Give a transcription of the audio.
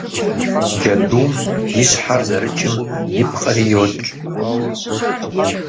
Джэдум и щхьэр зэрыкӀым ипкъри йокӀ.